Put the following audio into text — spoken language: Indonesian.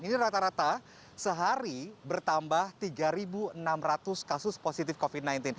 ini rata rata sehari bertambah tiga enam ratus kasus positif covid sembilan belas